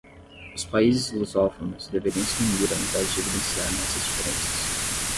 Os países lusófonos deveriam se unir ao invés de evidenciar nossas diferenças